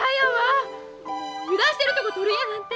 油断してるとこ撮るやなんて！